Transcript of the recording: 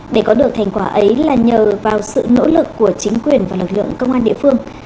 để có được thành quả ấy là nhờ vào sự nỗ lực của chính quyền và lực lượng công an địa phương